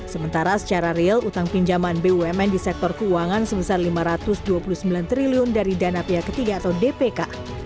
sementara secara real utang pinjaman bumn di sektor keuangan sebesar rp lima ratus dua puluh sembilan triliun dari dana pihak ketiga atau dpk